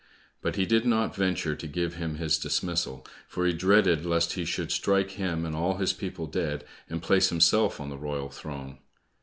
But he did not venture to give him his dismissal, for he dreaded lest he should strike him and all his people dead, and place himself on the royal throne.